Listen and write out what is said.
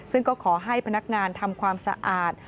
ซึ่งก็ขอให้พนักงานทำความสะอาด